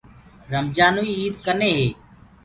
رمجآنٚوئي ايٚد ڪني هي